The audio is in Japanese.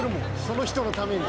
その人のために。